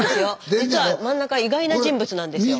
実は真ん中意外な人物なんですよ。